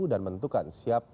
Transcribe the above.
dan mentukan siap